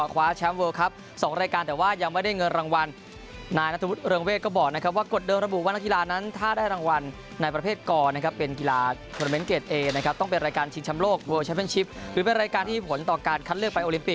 ทุนจะประกาศอีกครั้งวันจันทร์ที่๔กรกฎาคมนี้